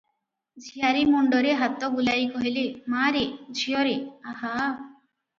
ଝିଆରୀ ମୁଣ୍ତରେ ହାତ ବୁଲାଇ କହିଲେ, "ମା'ରେ, ଝିଅରେ, ଆହା!